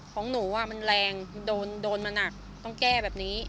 ของหนูมันแรงโดนมาหนักต้องแก้แบบนี้